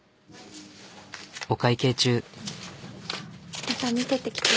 お会計中。